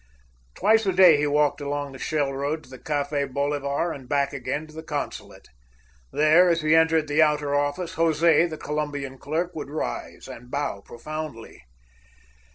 Twice a day he walked along the shell road to the Café Bolivar, and back again to the consulate. There, as he entered the outer office, José, the Colombian clerk, would rise and bow profoundly.